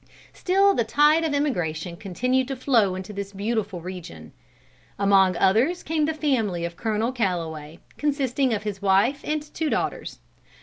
Still the tide of emigration continued to flow into this beautiful region. Among others came the family of Colonel Calloway, consisting of his wife and two daughters.